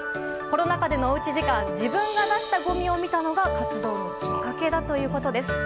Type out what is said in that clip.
コロナ禍でのおうち時間自分が出したごみを見たのが活動のきっかけだということです。